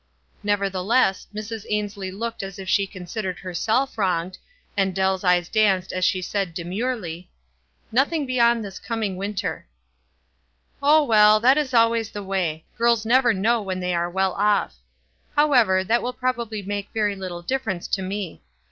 Nevertheless, Mrs. Ainslie looked as if she considered herself wronged, and Dell's eyes danced as she said, demurely, — "Nothing beyond this coming winter." • "Oh, well, that is always the way. Girls never know when they are well off. However, that will probably make very little difference to me.